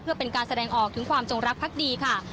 เพื่อเป็นการแสดงออกถึงความจงรักพักดีค่ะ